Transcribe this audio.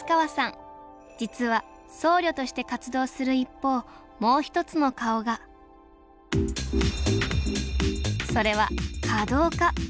実は僧侶として活動する一方もう一つの顔がそれは華道家。